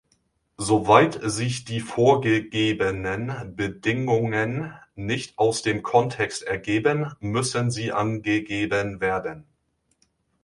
Soweit sich die vorgegebenen Bedingungen nicht aus dem Kontext ergeben, müssen sie angegeben werden.